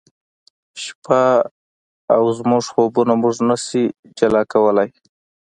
شپه او زموږ خوبونه موږ نه شي جلا کولای